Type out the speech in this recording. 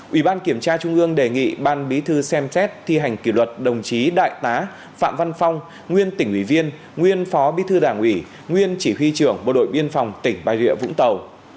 ủy ban kiểm tra trung ương đề nghị ban bí thư xem xét thi hành kỷ luật đồng chí đại tá phạm văn phong nguyên tỉnh ủy viên nguyên phó bí thư đảng ủy nguyên chỉ huy trưởng bộ đội biên phòng tỉnh bà rịa vũng tàu